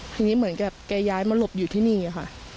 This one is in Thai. ทีนี้เหมือนกับแกย้ายมาหลบอยู่ที่นี่ค่ะ